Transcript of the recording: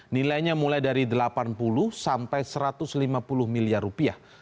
nilainya mulai dari delapan puluh sampai satu ratus lima puluh miliar rupiah